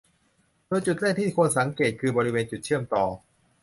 โดยจุดแรกที่ควรสังเกตคือ บริเวณจุดเชื่อมต่อ